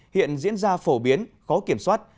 hiện diễn ra phổ biến có kiểm soát